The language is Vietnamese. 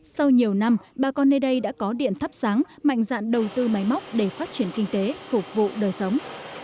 sau nhiều năm bà con nơi đây đã có điện thắp sáng mạnh dạn đầu tư máy móc để phát triển kinh tế phục vụ đời sống